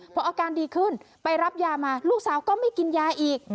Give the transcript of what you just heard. พออาการดีขึ้นไปรับยามาลูกสาวก็ไม่กินยาอีก